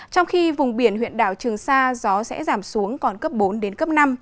trong khi vùng biển huyện đảo trường sa gió sẽ giảm xuống còn cấp bốn đến cấp năm